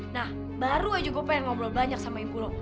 nah baru aja gue pengen ngobrol banyak sama ibu lo